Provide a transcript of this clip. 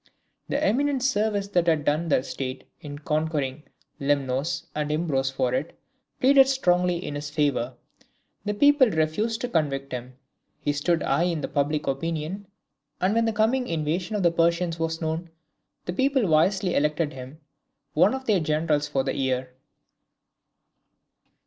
The eminent service that he had done the state in conquering Lemnos and Imbros for it, pleaded strongly in his favour. The people refused to convict him. He stood high in public opinion; and when the coming invasion of the Persians was known, the people wisely elected him one of their generals for the year.